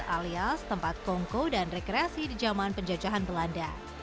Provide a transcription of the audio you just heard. alias tempat kongko dan rekreasi di zaman penjajahan belanda